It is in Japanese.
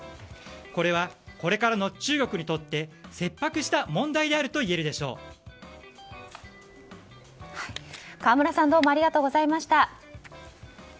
これは、これからの中国にとって切迫した問題であると河村さんどうもありがとうございました。